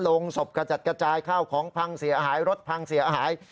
โรงศพกระจัดกระจายข้าวของพังเสียหายรถพังเสียหาย